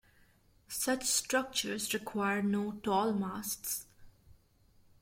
Such structures require no tall masts.